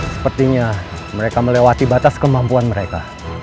sepertinya mereka melewati batas kemampuan mereka